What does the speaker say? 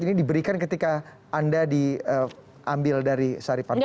ini diberikan ketika anda diambil dari sari pasifik